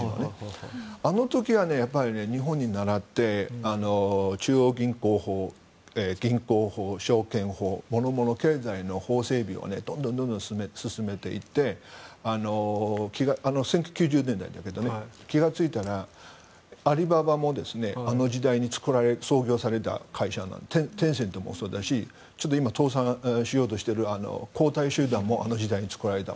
あの時は日本に倣って中央銀行法、銀行法証券法もろもろの経済の法整備をどんどん進めていって１９９０年代だけど気がついたら、アリババもその時代に作られた会社だしテンセントもそうだし今、倒産しようとしている恒大集団もあの時代に作られた。